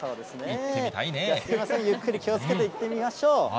すみません、ゆっくり気をつけて行ってみましょう。